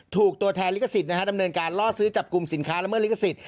ตัวแทนลิขสิทธิ์ดำเนินการล่อซื้อจับกลุ่มสินค้าละเมิดลิขสิทธิ